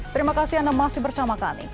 terima kasih anda masih bersama kami